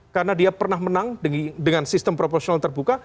karena dia pernah menang dengan sistem proporsional terbuka